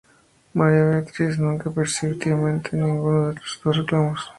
María Beatriz nunca persiguió activamente ninguno de sus dos reclamos.